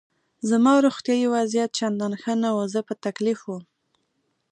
زما روغتیایي وضعیت چندان ښه نه و، زه په تکلیف وم.